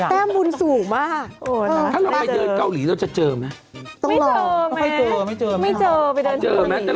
ตั้งแต้มบุญสูงมาก